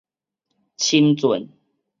深圳